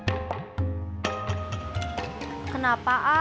kalo gak ada yang makan